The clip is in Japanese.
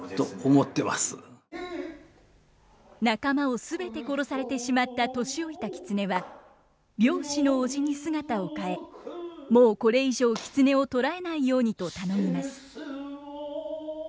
仲間を全て殺されてしまった年老いた狐は猟師のおじに姿を変えもうこれ以上狐を捕らえないようにと頼みます。